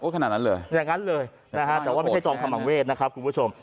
อย่างนั้นเลยแต่ว่าไม่ใช่จองขมังเวศนะครับคุณผู้ชม